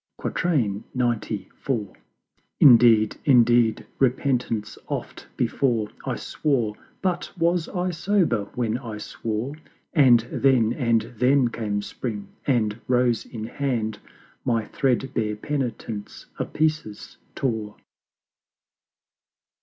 XCIV. Indeed, indeed, Repentance oft before I swore but was I sober when I swore? And then and then came Spring, and Rose in hand My thread bare Penitence apieces tore.